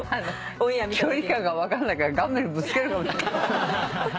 距離感が分かんないから画面にぶつけるかもしれない。